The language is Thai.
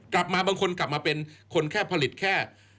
บางคนกลับมาเป็นคนแค่ผลิตแค่